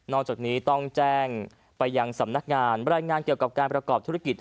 จากนี้ต้องแจ้งไปยังสำนักงานรายงานเกี่ยวกับการประกอบธุรกิจ